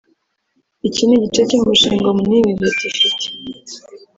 Iki ni igice cy’umushinga munini leta ifite